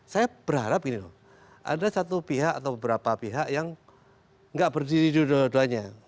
saya berharap gini loh ada satu pihak atau beberapa pihak yang nggak berdiri dua duanya